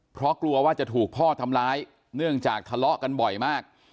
เพราะกลัวว่าจะถูกพ่อทำร้ายเนื่องจากทะเลาะกันบ่อยมาก